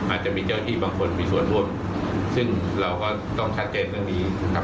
อาจจะมีเจ้าหน้าที่บางคนมีส่วนร่วมซึ่งเราก็ต้องชัดเจนเรื่องนี้ครับ